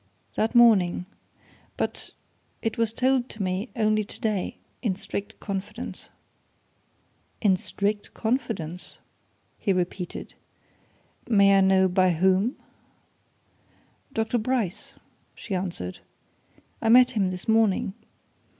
"That morning. But it was told to me, only today, in strict confidence." "In strict confidence!" he repeated. "May I know by whom?" "Dr. Bryce," she answered. "I met him this morning.